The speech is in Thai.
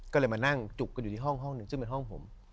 ก็เลยมานั่งจุกกันอยู่ที่ห้องหนึ่งซึ่งเป็นห้องผม